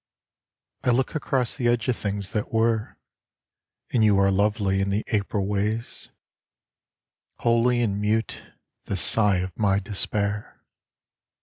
I look across the edge of things that were And you are lovely in the April ways, S6 INAMORATA 57 Holy and mute, the sigh of my despair.